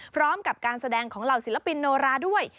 พร้อมกับการแสดงของเหล่าศิลปินโนราด้วย